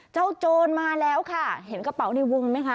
โจรมาแล้วค่ะเห็นกระเป๋าในวงไหมคะ